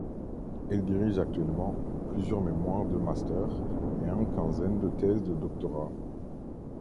Elle dirige actuellement plusieurs mémoires de Master et un quinzaine de thèses de doctorat.